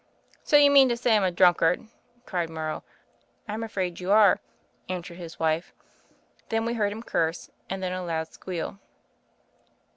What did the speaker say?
" 'So you mean to say I'm a drunkard?' cried Morrow. 'I'm afraid you are,' answered his wife. Then we heard him curse, and then a loud squeal."